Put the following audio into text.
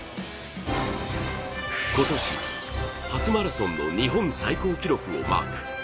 今年、初マラソンの日本最高記録をマーク。